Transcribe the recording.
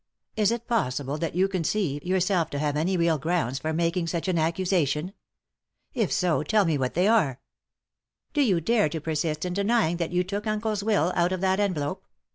Is it possible that you conceive yourself to have any real grounds for making such an accusation ? If so, tell me what they are." " Do you dare to persist in denying that you took uncle's Till out of that envelope